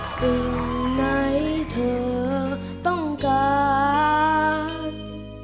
สิ่งไหนเธอต้องการ